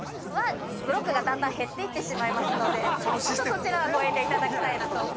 ◆ブロックが、だんだん減っていってしまいますのでちょっと、そちらはご遠慮いただきたいなと。